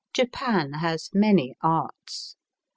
Japan has many arts.